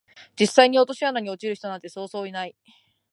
実際に落とし穴に落ちる人なんてそうそういない